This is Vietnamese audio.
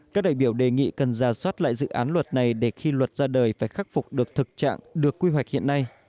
các đại biểu đề nghị cần ra soát lại dự án luật này để khi luật ra đời phải khắc phục được thực trạng được quy hoạch hiện nay